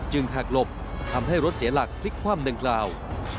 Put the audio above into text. จึงหากหลบทำให้รถเสียหลักฟลิกคว่ำหนึ่งคราว